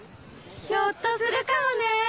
ひょっとするかもね。